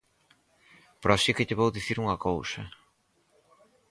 Pero si que lle vou dicir unha cousa.